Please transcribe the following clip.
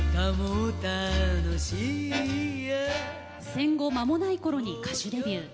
戦後まもないころに歌手デビュー。